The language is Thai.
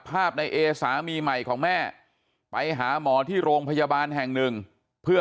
ภาพในเอสามีใหม่ของแม่ไปหาหมอที่โรงพยาบาลแห่งหนึ่งเพื่อ